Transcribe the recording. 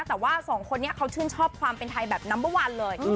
แต่ว่าสองคนนี้เขาชื่นชอบความเป็นไทยแบบนัมเบอร์วันเลย